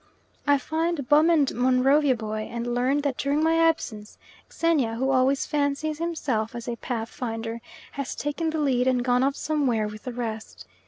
I find Bum and Monrovia boy, and learn that during my absence Xenia, who always fancies himself as a path finder, has taken the lead, and gone off somewhere with the rest.